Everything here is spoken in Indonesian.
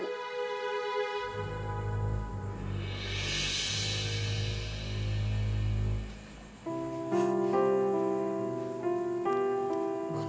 nah kita tak pernah berdua kebawa